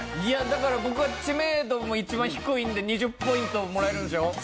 いやだから僕は知名度も一番低いんで２０ポイントもらえるんでしょ？